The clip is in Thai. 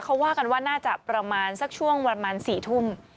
เขาว่ากันว่าน่าจะประมาณสักช่วงประมาณ๔ทุ่ม